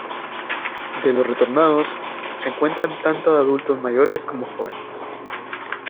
De los retornados, se encuentran tanto adultos mayores como jóvenes.